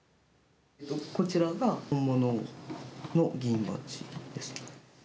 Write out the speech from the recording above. こちらが本物の議員バッジです。